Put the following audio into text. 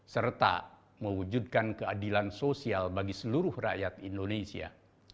serta mewujudkan keadilan sosial bagi seluruh rakyat indonesia